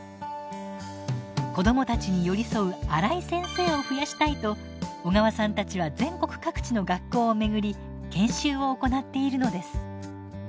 子どもたちに寄り添うアライ先生を増やしたいと小川さんたちは全国各地の学校を巡り研修を行っているのです。